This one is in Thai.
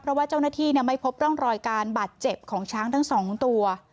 เพราะว่าเจ้าหน้าที่ไม่พบร่องรอยการบาดเจ็บของช้างทั้งสองตัว